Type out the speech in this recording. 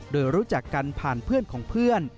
โดยรู้จักกันผ่านเพื่อนของเพื่อน